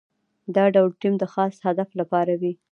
دا ډول ټیم د خاص هدف لپاره وي.